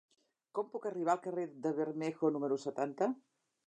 Com puc arribar al carrer de Bermejo número setanta?